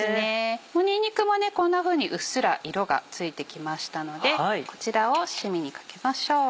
もうにんにくもこんなふうにうっすら色がついてきましたのでこちらを七味にかけましょう。